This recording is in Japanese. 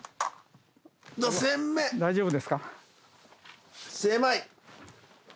大丈夫ですか？